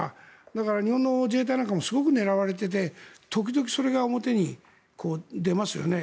だから日本の自衛隊なんかもすごく狙われていて時々それが表に出ますよね。